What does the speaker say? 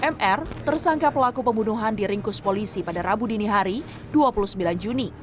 mr tersangka pelaku pembunuhan diringkus polisi pada rabu dini hari dua puluh sembilan juni